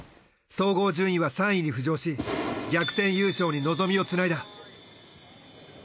総合順位は３位に浮上し逆転優勝に望みをつないだ。